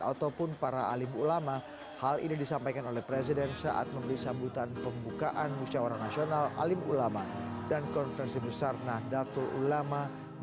ataupun para alim ulama hal ini disampaikan oleh presiden saat memberi sambutan pembukaan musyawara nasional alim ulama dan konferensi besar nahdlatul ulama dua ribu dua puluh